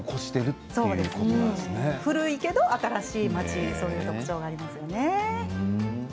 古いけど新しい街そんな特徴がありますね。